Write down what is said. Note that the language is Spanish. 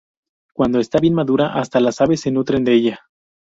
Cuando está bien madura hasta las aves se nutren de ella.